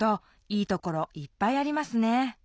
いいところいっぱいありますね